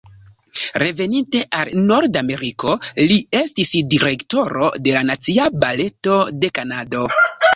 Reveninte al Nordameriko, li estis direktoro de la Nacia Baleto de Kanado.